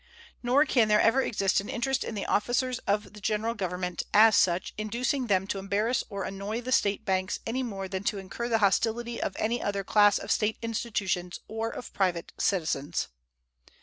Nor can there ever exist an interest in the officers of the General Government, as such, inducing them to embarrass or annoy the State banks any more than to incur the hostility of any other class of State institutions or of private citizens.